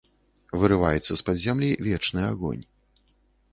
Вырываецца з-пад зямлі вечны агонь.